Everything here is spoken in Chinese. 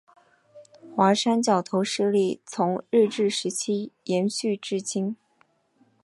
华山角头势力从日治时期延续至今。